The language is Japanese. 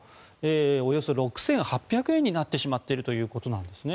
およそ６８００円になってしまっているということなんですね。